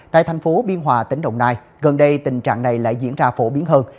tại thành phố biên hòa tỉnh đồng nai gần đây tình trạng này lại diễn ra phổ biến hơn